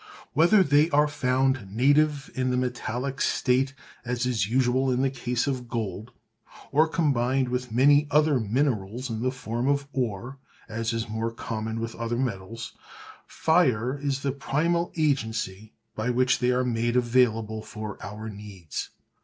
Whether they are found native in the metallic state as is usual in the case of gold, or combined with many other minerals in the form of ore as is more common with other metals, fire is the primal agency by which they are made available for our needs.